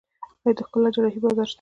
آیا د ښکلا جراحي بازار شته؟